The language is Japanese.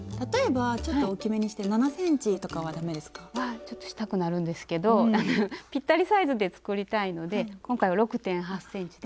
ちょっとしたくなるんですけどぴったりサイズで作りたいので今回は６．８ｃｍで。